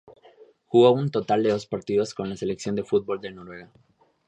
Jugó un total de dos partidos con la selección de fútbol de Noruega.